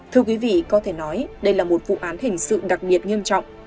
thưa quý vị có thể nói đây là một vụ án hình sự đặc biệt nghiêm trọng